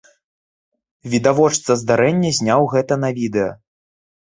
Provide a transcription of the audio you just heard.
Відавочца здарэння зняў гэта на відэа.